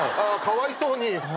かわいそうに。